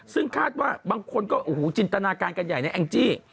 ซึ่งคาดว่าบางคนก็โอ้โหจินตนาการกันใหญ่นะแองจี้